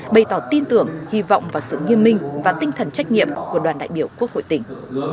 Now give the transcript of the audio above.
bày tỏ tin tưởng hy vọng và sự nghiêm minh và tinh thần trách nhiệm của đoàn đại biểu quốc hội tỉnh